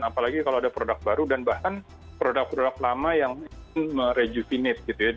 apalagi kalau ada produk baru dan bahkan produk produk lama yang merejuvinasi